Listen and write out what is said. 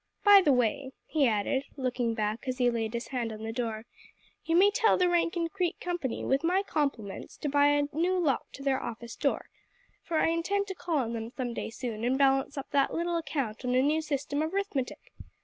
By the way," he added, looking back as he laid his hand on the door, "you may tell the Rankin Creek Company, with my compliments, to buy a new lock to their office door, for I intend to call on them some day soon and balance up that little account on a new system of 'rithmetic!